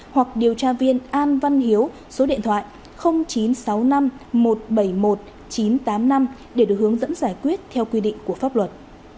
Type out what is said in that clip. hoặc điều tra viên an văn hiếu số điện thoại chín trăm sáu mươi năm một trăm bảy mươi một chín trăm tám mươi năm để được hướng dẫn giải quyết theo quy định của pháp luật